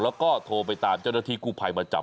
แล้วก็โทรไปตามเจ้าหน้าที่กู้ภัยมาจับ